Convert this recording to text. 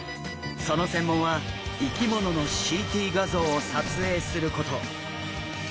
その専門は生き物のＣＴ画像を撮影すること。